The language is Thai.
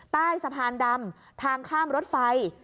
ใต้สะพานดำทางข้ามรถไฟ